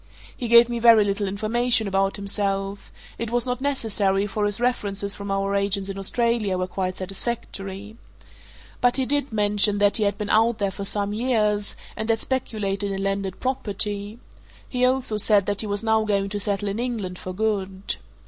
He gave me very little information about himself: it was not necessary, for his references from our agents in Australia were quite satisfactory. But he did mention that he had been out there for some years, and had speculated in landed property he also said that he was now going to settle in England for good.